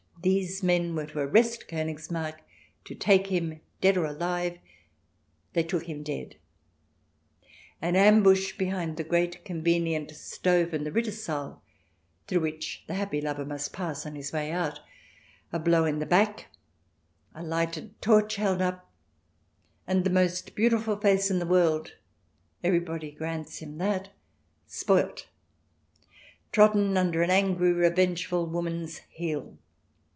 ... These men were to arrest Konigsmarck, to take him dead or alive. ... They took him dead. An ambush behind the great con venient stove in the Rittersaal through which the happy lover must pass on his way out, a blow in the back, a lighted torch held up, and the most beautiful face in the world — everybody grants him that — spoilt, trodden under an angry, revengeful woman's heel